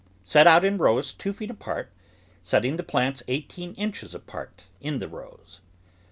Set out in rows two feet apart, setting the plants eighteen inches apart in the rows.